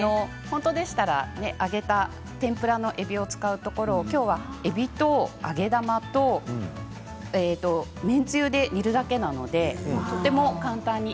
本当でしたら揚げた天ぷらのえびを使うところをきょうは、えびと揚げ玉と麺つゆで煮るだけなのでとても簡単に。